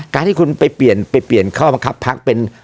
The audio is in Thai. การที่คุณไปเปลี่ยนข้อมักคับพักเป็น